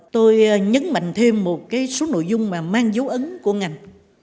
tôi nhấn mạnh thêm một số nội dung mang dấu ấn của ngành